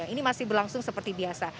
ini masih berlangsung seperti biasa